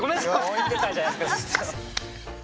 置いてたじゃないですかずっと。